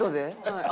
はい。